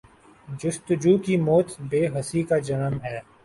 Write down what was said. جستجو کی موت بے حسی کا جنم ہے۔